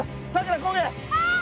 はい！